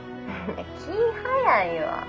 気ぃ早いわ。